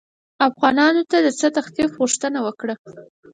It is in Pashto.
افغانانو د څه تخفیف غوښتنه وکړه.